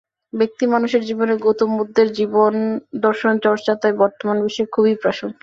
ব্যক্তিমানুষের জীবনে গৌতম বুদ্ধের জীবন দর্শন চর্চা তাই বর্তমান বিশ্বে খুবই প্রাসঙ্গিক।